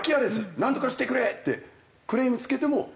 なんとかしてくれ！」ってクレームつけても。